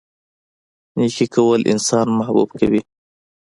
نیکي کول انسان محبوب کوي.